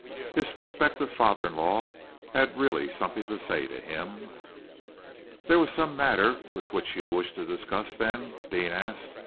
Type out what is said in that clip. His prospective father in law had really something to say to him. "There was some matter which you wished to discuss, then?" Deane asked.